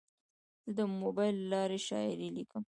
زه د موبایل له لارې شاعري لیکم.